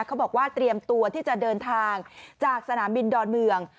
เขาบอกว่าเตรียมตัวที่จะเดินทางจากสนามบินดอนเมือง